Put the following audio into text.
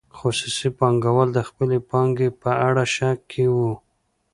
خصوصي پانګوال د خپلې پانګې په اړه شک کې وو.